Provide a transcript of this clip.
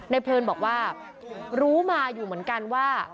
เพลินบอกว่ารู้มาอยู่เหมือนกันว่า